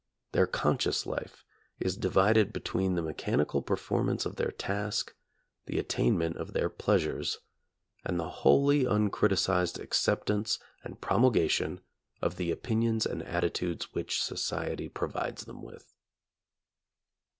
Their conscious life is divided between the mechanical performance of their task, the attainment of their pleasures, and the wholly uncriticized acceptance and promulga tion of the opinions and attitudes which society provides them with.